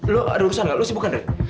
lo ada urusan nggak lo sibuk kan drek